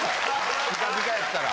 ピカピカやったら。